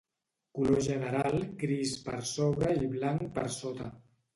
Color general gris per sobre i blanc per sota.